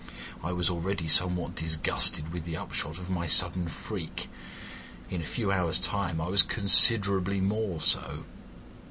I was already somewhat disgusted with the upshot of my sudden freak; in a few hours' time I was considerably more so.